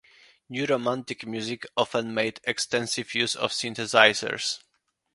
New Romantic music often made extensive use of synthesizers.